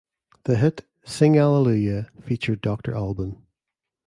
The hit "Sing Hallelujah" featured Doctor Alban.